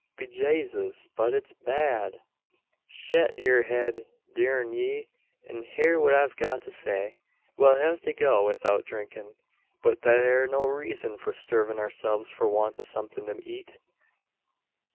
"Be Jaysus, but it's bad!" "Shet up yur head, durn ye, an hear what I've got to say. We'll hev to go 'ithout drinkin'; but thet air no reezun for sturvin' ourselves for want o' somethin' to eet.